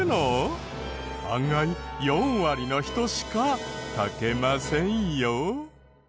案外４割の人しか書けませんよ。